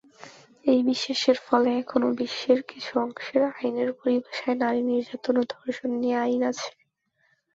এই বিশ্বাসের ফলে এখনও বিশ্বের কিছু অংশের আইনের পরিভাষায় নারী নির্যাতন ও ধর্ষণ নিয়ে আইন আছে।